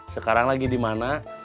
sekarang lagi dimana